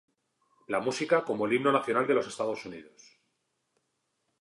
La música como el himno nacional de los Estados Unidos.